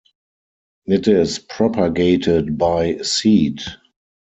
It is propagated by seed.